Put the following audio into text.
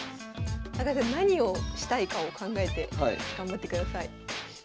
高橋さん何をしたいかを考えて頑張ってください。